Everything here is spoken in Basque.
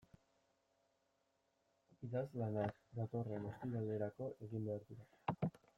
Idazlanak datorren ostiralerako egin behar dira.